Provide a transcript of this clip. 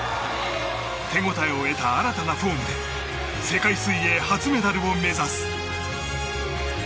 手応えを得た新たなフォームで世界水泳初メダルを目指す。